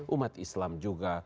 umat islam juga